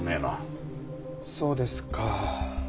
そうですか。